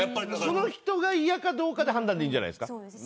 その人が嫌かどうかで判断でいいんじゃなんですか。